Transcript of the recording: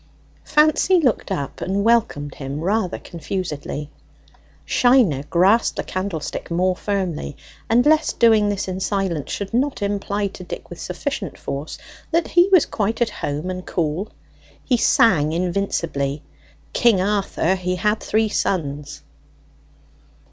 Fancy looked up and welcomed him rather confusedly. Shiner grasped the candlestick more firmly, and, lest doing this in silence should not imply to Dick with sufficient force that he was quite at home and cool, he sang invincibly "'King Arthur he had three sons.'"